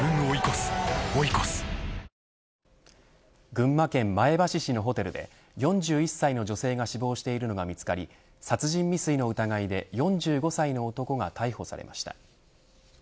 群馬県前橋市のホテルで４１歳の女性が死亡しているのが見つかり殺人未遂の疑いで４５歳の男が逮捕されました。